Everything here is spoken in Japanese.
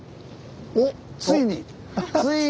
おっついに！